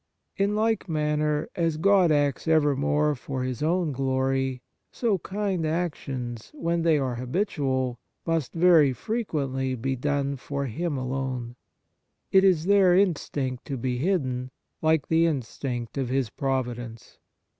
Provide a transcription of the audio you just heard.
In like manner as God acts evermore for His own glory, so kind actions, when they are habitual, must very frequently be done for Him alone. It is their instinct to be hidden, like the instinct of His providence.